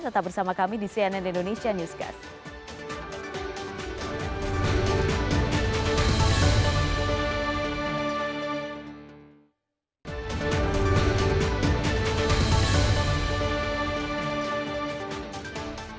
tetap bersama kami di cnn indonesia newscast